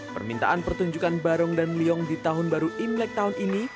permintaan pertunjukan barong dan liong di tahun baru imlek tahun ini